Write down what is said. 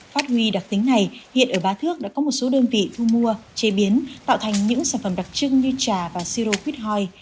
phát huy đặc tính này hiện ở ba thước đã có một số đơn vị thu mua chế biến tạo thành những sản phẩm đặc trưng như trà và si rô quýt hoi